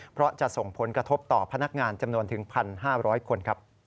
เพราะจะส่งผลกระทบต่อพนักงานจำนวนถึง๑๕๐๐คน